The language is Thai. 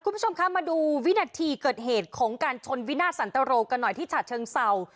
คุณผู้ชมคะมาดูวินาทีเกิดเหตุของการชนวินาทสันตรโรกันหน่อยที่ฉะเชิงเศร้า